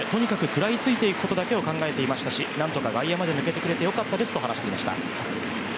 食らいついていくことだけを考えていましたし何とか外野まで抜けてくれて良かったですと話していました。